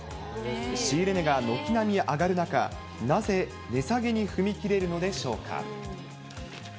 仕入れ値が軒並み上がる中、なぜ値下げに踏み切れるのでしょうか。